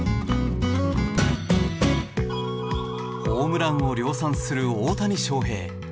ホームランを量産する大谷翔平。